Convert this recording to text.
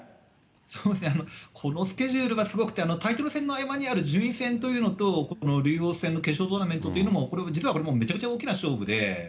そうですね、このスケジュールがすごくて、タイトル戦の合間にある順位戦というのと、この竜王戦の決勝トーナメントというのも、これは実はめちゃむちゃ大きな勝負で。